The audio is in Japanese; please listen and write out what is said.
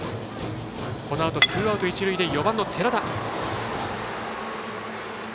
このあとツーアウト、一塁で４番の寺田。